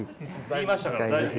言いましたから大丈夫。